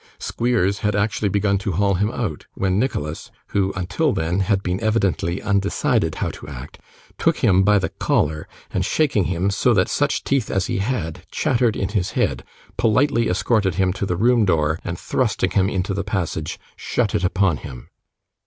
Squeers had actually begun to haul him out, when Nicholas (who, until then, had been evidently undecided how to act) took him by the collar, and shaking him so that such teeth as he had, chattered in his head, politely escorted him to the room door, and thrusting him into the passage, shut it upon him.